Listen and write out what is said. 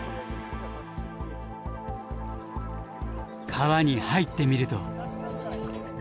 川に入ってみると。